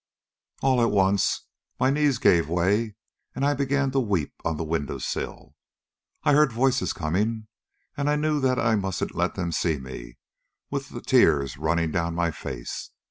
"All at once my knees gave way, and I began to weep on the window sill. I heard voices coming, and I knew that I mustn't let them see me with the tears running down my face.